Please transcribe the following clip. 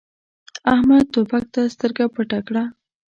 احمد توپک ته سترګه پټه کړه.